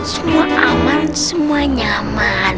semua aman semua nyaman